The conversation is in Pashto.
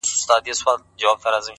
خوارسومه انجام مي د زړه ور مـات كړ؛